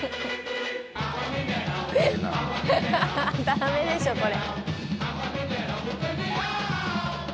だめでしょ、これ。